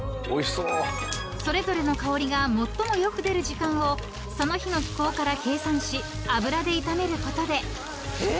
［それぞれの香りが最もよく出る時間をその日の気候から計算し油で炒めることで］